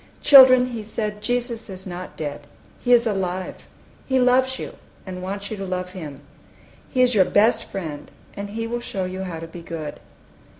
"Children," he said, "Jesus is not dead. He is alive: He loves you, and wants you to love Him! He is your best Friend, and He will show you how to be good."